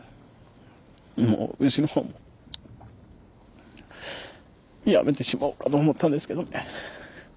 もう牛のほうもやめてしまおうかと思ったんですけどね。